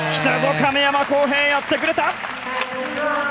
亀山耕平やってくれた。